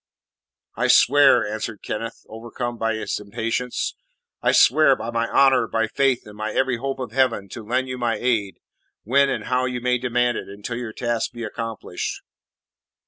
"I swear!" answered Kenneth, overcome by his impatience. "I swear, by my honour, my faith, and my every hope of heaven to lend you my aid, when and how you may demand it, until your task be accomplished."